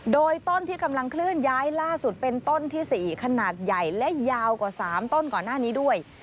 โดยต้นที่กำลังเคลื่อนย้ายล่าสุดเป็นต้นที่๔ขนาดใหญ่และยาวกว่า๓ต้นก่อนหน้านี้ด้วย